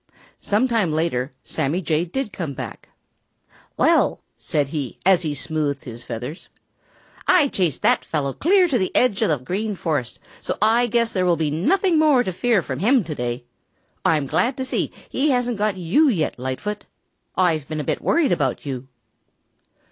Some time later Sammy Jay did come back. "Well," said he, as he smoothed his feathers, "I chased that fellow clear to the edge of the Green Forest, so I guess there will be nothing more to fear from him to day. I'm glad to see he hasn't got you yet, Lightfoot. I've been a bit worried about you."